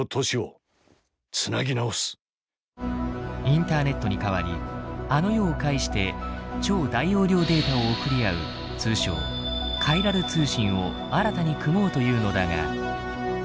インターネットにかわりあの世を介して超大容量データを送り合う通称「カイラル通信」を新たに組もうというのだが。